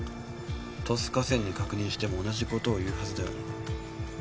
鳥栖歌仙に確認しても同じことを言うはずだよな？